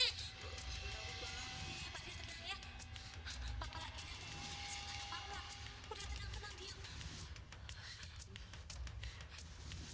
itu spedil tenang aja nanti pasti mama panggilin orang pinter buat tersesatan di rumah ini